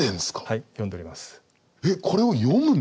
はい読んでおります。